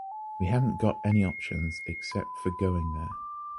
We haven’t got any options except for going there.